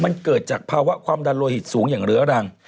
มันเกิดจากภาวะความดันโลหิตสูงอย่างเรื้อรัง